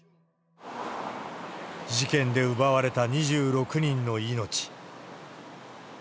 事件で奪われた２６人の命。